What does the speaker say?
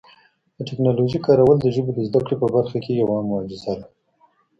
د ټکنالوژۍ کارول د ژبو د زده کړې په برخه کي یو معجزه ده.